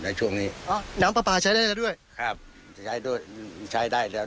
ช่วงนี้อ๋อน้ำปลาปลาใช้ได้แล้วด้วยครับจะใช้ด้วยใช้ได้แล้ว